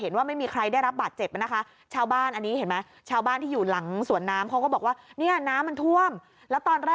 น้ำจะเลิกกิจการ